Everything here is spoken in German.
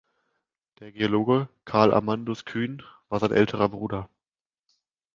Der Geologe Carl Amandus Kühn war sein älterer Bruder.